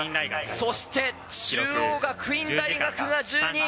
そして、中央学院大学が１２位。